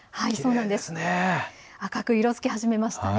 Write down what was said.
赤く色づき始めました。